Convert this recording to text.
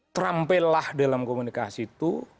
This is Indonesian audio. terampillah dalam komunikasi itu